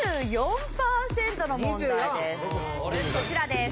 こちらです。